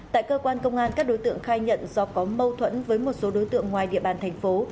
tại cơ quan công an các đối tượng khai nhận do có mâu thuẫn với một số đối tượng ngoài địa bàn thành phố